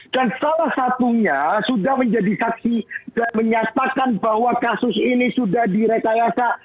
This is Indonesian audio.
dan salah satunya sudah menjadi saksi dan menyatakan bahwa kasus ini sudah direkayasa